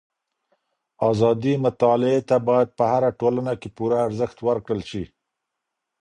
ازادي مطالعې ته بايد په هره ټولنه کي پوره ارزښت ورکړل سي.